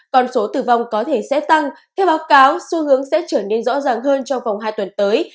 còn số tử vong có thể sẽ tăng theo báo cáo xu hướng sẽ trở nên rõ ràng hơn trong vòng hai tuần tới